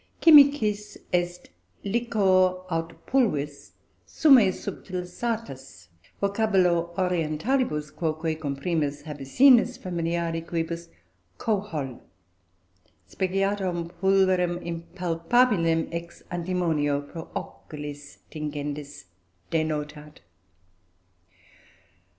Chymicis est liquor aut pulvis summé subtilisatus, vocabulo Orientalibus quoque, cum primis Habessinis, familiari, quibus cohol speciatim pulverem impalpabilem ex antimonio pro oculis tingendis denotat